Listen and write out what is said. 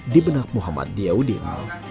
di benak muhammad diyaudin